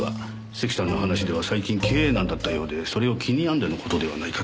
関さんの話では最近経営難だったようでそれを気に病んでの事ではないかと。